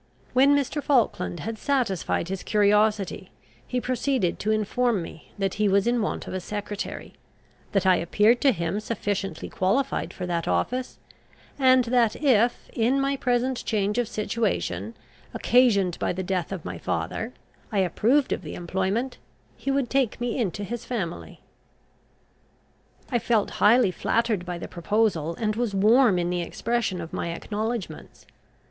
When Mr. Falkland had satisfied his curiosity, he proceeded to inform me that he was in want of a secretary, that I appeared to him sufficiently qualified for that office, and that, if, in my present change of situation, occasioned by the death of my father, I approved of the employment, he would take me into his family. I felt highly flattered by the proposal, and was warm in the expression of my acknowledgments.